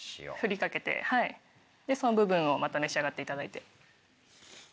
その部分をまた召し上がっていただいて。